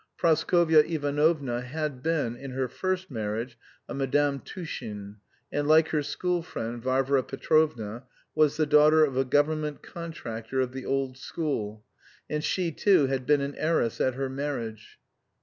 Praskovya Ivanovna had been, in her first marriage, a Madame Tushin, and like her school friend, Varvara Petrovna, was the daughter of a government contractor of the old school, and she too had been an heiress at her marriage.